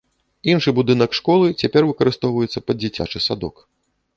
Іншы будынак школы цяпер выкарыстоўваецца пад дзіцячы садок.